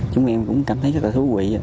chúng em cũng cảm thấy rất là thú vị